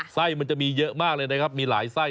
ไส้มันจะมีเยอะมากเลยนะครับมีหลายไส้